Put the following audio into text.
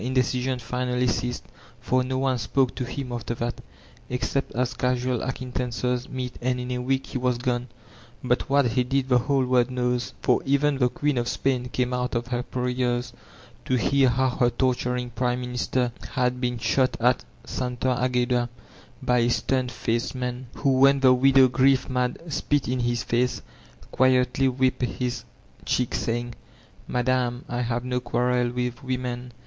the indecision finally ceased; for no one spoke to him after that, except as casual acquaintances meet, and in a wedc he was gone. But what he did the whole world knows; for even the Queen of Spain came out of her prayers to hear how her torturing prime minister had been shot at Santa Agueda, by a stem faced man, who, when the widow, grief mad, spit in his face, quietly wiped hb cheek, saying, "Madam, I have no quarrel with women.